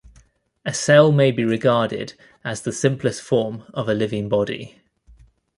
A cell may be regarded as the simplest form of a living body.